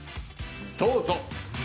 どうぞ。